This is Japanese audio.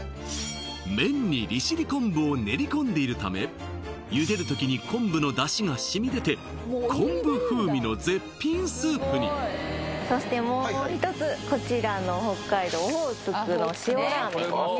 麺に利尻昆布を練り込んでいるため茹でる時に昆布の出汁がしみ出て昆布風味の絶品スープにそしてもう一つこちらの北海道オホーツクの塩ラーメンですね